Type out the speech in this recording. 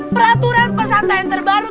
peraturan pesantren terbaru